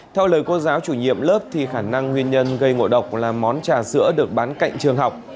theo lời cô giáo chủ nhiệm lớp khả năng nguyên nhân gây ngộ độc là món trà sữa được bán cạnh trường học